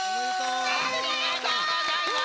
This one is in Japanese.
ありがとうございます。